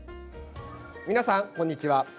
皆さん、こんにちは。